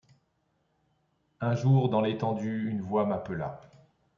Un jour dans l’étendue une voix m’appela.